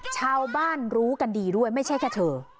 ชาวบ้านรู้กันดีด้วยไม่ใช่แค่เธอ